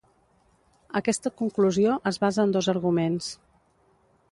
Aquesta conclusió es basa en dos arguments.